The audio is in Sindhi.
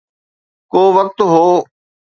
ڪو وقت هو.